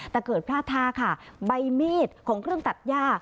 แต่เกิดพลาดท่าค่ะใบมีดของเครื่องตัดย่า